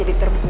ini pergi kamu